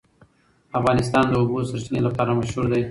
افغانستان د د اوبو سرچینې لپاره مشهور دی.